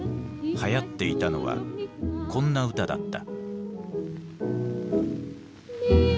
はやっていたのはこんな歌だった。